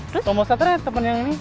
lombok satarnya teman yang ini